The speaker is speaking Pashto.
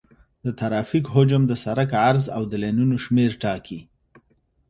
د ترافیک حجم د سرک عرض او د لینونو شمېر ټاکي